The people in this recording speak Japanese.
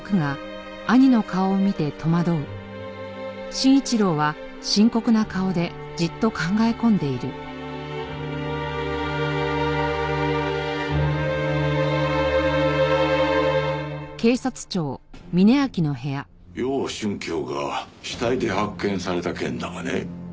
楊春喬が死体で発見された件だがね。